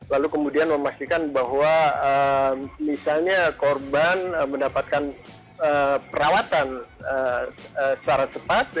lalu kemudian memastikan bahwa misalnya korban mendapatkan perawatan secara cepat